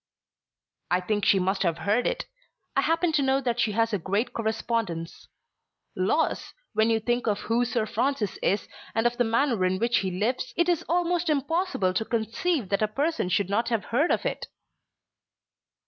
"I think she must have heard it. I happen to know that she has a great correspondence. Laws! when you think of who Sir Francis is and of the manner in which he lives, it is almost impossible to conceive that a person should not have heard of it."